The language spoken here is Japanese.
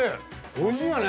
おいしいよね。